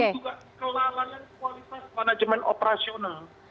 dan ini juga kelalaian kualitas manajemen operasional